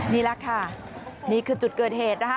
นี่แหละค่ะนี่คือจุดเกิดเหตุนะคะ